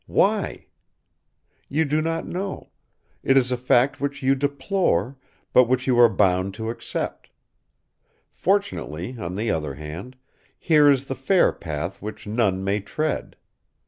Why? You do not know; it is a fact which you deplore, but which you are bound to accept. Fortunately, on the other hand, here is the fair path which none may tread.